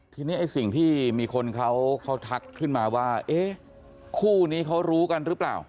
ทีนี้ไอ้สิ่งที่มีคนเขาทักขึ้นมาว่าเอ๊ะคู่นี้เขารู้กันหรือเปล่า